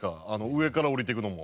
上から下りていくのも。